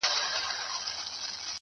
o ه زه تر دې کلامه پوري پاته نه سوم.